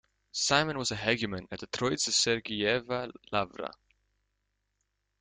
Simon was a hegumen at the Troitse-Sergiyeva Lavra.